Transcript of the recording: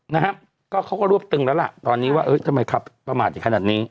นะฮะก็เขาก็รวบตึงแล้วล่ะตอนนี้ว่าเออทำไมขับประมาทอย่างขนาดนี้